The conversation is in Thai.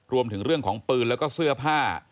รวมถึงเรื่องของปืนแล้วก็เสื้อผ้า